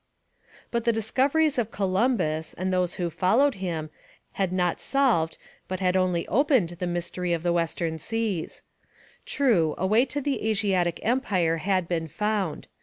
But the discoveries of Columbus and those who followed him had not solved but had only opened the mystery of the western seas. True, a way to the Asiatic empire had been found.